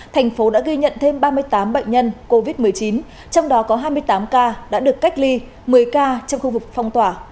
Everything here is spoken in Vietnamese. thành phố đã ghi nhận thêm ba mươi tám bệnh nhân covid một mươi chín trong đó có hai mươi tám ca đã được cách ly một mươi ca trong khu vực phong tỏa